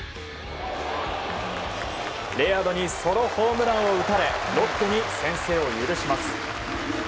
レアードにソロホームランを打たれロッテに先制を許します。